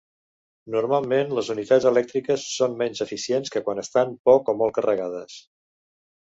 Normalment les unitats elèctriques són menys eficients quan estan poc o molt carregades.